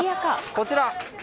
こちら。